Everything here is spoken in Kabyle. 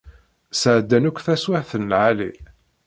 Sεeddan akk taswiεt n lεali.